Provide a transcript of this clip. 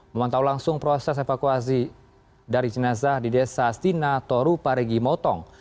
memantau langsung proses evakuasi dari jenazah di desa astina toru parigi motong